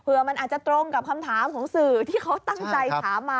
เพื่อมันอาจจะตรงกับคำถามของสื่อที่เขาตั้งใจถามมา